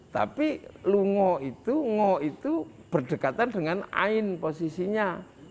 tapi lungo itu ngo itu berdekatan dengan ain posisinya